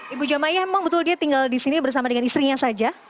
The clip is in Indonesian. ibu jamaah emang betul dia tinggal di sini bersama dengan istrinya saja